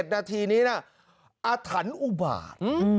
นาทีนี้นะอาถรรพ์อุบาต